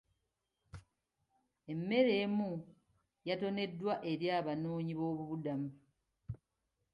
Emmere emu yatoneddwa eri abanoonyi b'obubuddamu.